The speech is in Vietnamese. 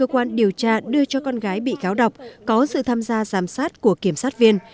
quan điều tra đưa cho con gái bị cáo đọc có sự tham gia giám sát của kiểm sát viên